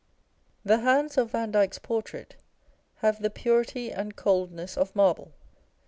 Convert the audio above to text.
1 The hands of Vandyke's portrait have the purity and coldness of marble.